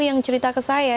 yang cerita ke saya